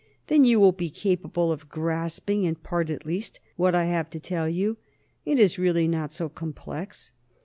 "Then you will be capable of grasping, in part at least, what I have to tell you. It is really not so complex.